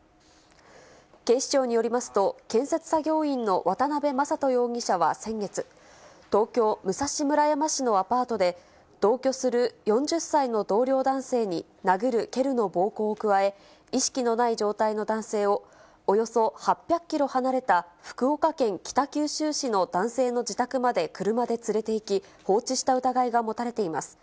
警視庁によりますと、建設作業員の渡辺正人容疑者は先月、東京・武蔵村山市のアパートで、同居する４０歳の同僚男性に、殴る蹴るの暴行を加え、意識のない状態の男性をおよそ８００キロ離れた、福岡県北九州市の男性の自宅まで車で連れていき、放置した疑いが持たれています。